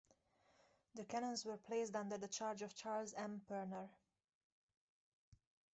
The cannons were placed under the charge of Charles M. Pirner.